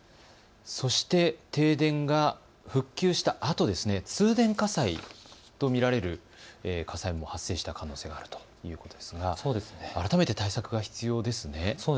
そして停電が復旧したあと通電火災と見られる火災も発生した可能性があるということですが改めて対策が必要ですね。